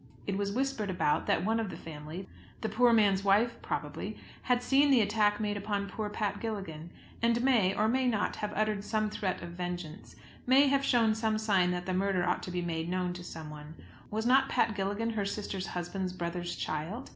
It was whispered about that one of the family, the poor man's wife, probably, had seen the attack made upon poor Pat Gilligan, and may, or may not, have uttered some threat of vengeance; may have shown some sign that the murder ought to be made known to someone. Was not Pat Gilligan her sister's husband's brother's child?